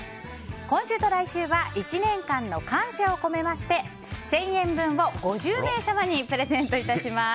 今週と来週は１年間の感謝を込めまして１０００円分を５０名様にプレゼント致します。